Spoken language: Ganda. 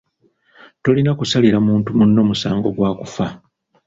Tolina kusalira muntu munno musango gwa kufa.